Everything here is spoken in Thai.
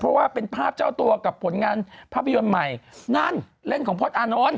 เพราะว่าเป็นภาพเจ้าตัวกับผลงานภาพยนตร์ใหม่นั่นเล่นของพจน์อานนท์